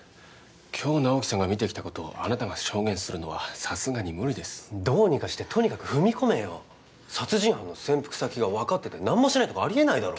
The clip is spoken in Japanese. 今日直木さんが見てきたことをあなたが証言するのはさすがに無理ですどうにかしてとにかく踏み込めよ殺人犯の潜伏先が分かってて何もしないとかありえないだろ